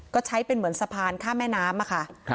ก็ใช้เป็นเหมือนสะพานข้ามแม่น้ำค่ะ